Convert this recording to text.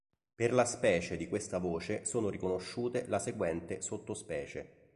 Per la specie di questa voce sono riconosciute la seguente sottospecie.